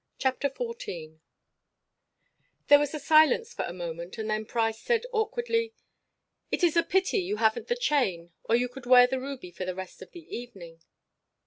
CHAPTER XIV There was silence for a moment and then Price said awkwardly: "It is a pity you haven't the chain or you could wear the ruby for the rest of the evening."